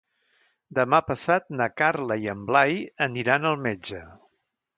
Demà passat na Carla i en Blai aniran al metge.